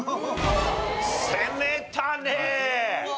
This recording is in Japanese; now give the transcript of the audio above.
攻めたねえ！